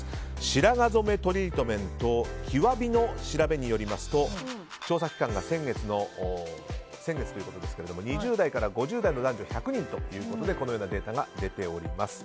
白髪染めトリートメント綺和美の調べによりますと調査期間が先月ということですが２０代から５０代の男女１００人ということでこのようなデータが出ております。